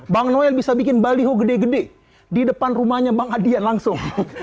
bang noel bisa bikin baliho gede gede di depan rumahnya bang adian langsung